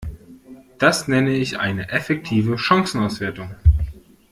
Das nenne ich eine effektive Chancenauswertung!